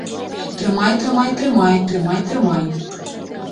Трымай, трымай, трымай, трымай, трымай.